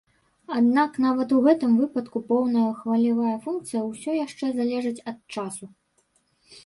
Аднак, нават у гэтым выпадку поўная хвалевая функцыя ўсё яшчэ залежыць ад часу.